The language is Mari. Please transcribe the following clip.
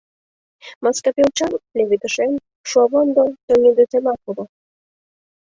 Маскапелчан леведышем, шуанвондо тоҥедышемак уло.